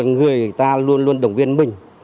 người ta luôn luôn đồng viên mình